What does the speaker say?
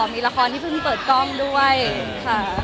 มีละครที่เพิ่งเปิดกล้องด้วยค่ะ